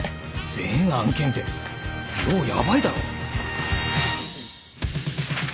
全案件って量ヤバいだろ。